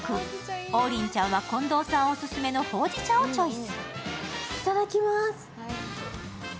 王林ちゃんは近藤さんオススメのほうじ茶をチョイス。